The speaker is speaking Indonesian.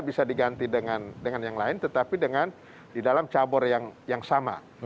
bisa diganti dengan yang lain tetapi dengan di dalam cabur yang sama